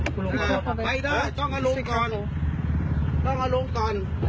คุณลุงไปได้ต้องเอาลงก่อนต้องเอาลงก่อน